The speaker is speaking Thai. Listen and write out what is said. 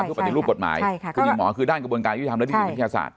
คุณหญิงหมอคือด้านกระบวนการยุทธิธรรมและนิติวิทยาศาสตร์